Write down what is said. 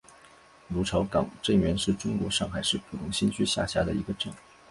芦潮港镇原是中国上海市浦东新区下辖的一个镇。